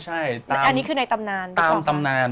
ใช่อันนี้คือในตำนานตามตำนาน